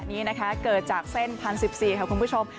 นี้นะคะเกิดจากเส้นพันสิบสี่ขาคมทั้งความตัว